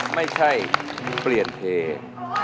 ไม่ใช่เปลี่ยนเพลง